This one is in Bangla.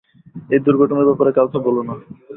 এই দুর্ঘটনার ব্যাপারে কাউকে বলো না।